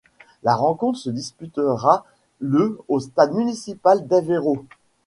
La rencontre se disputera le au stade municipal d'Aveiro.